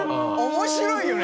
面白いよね！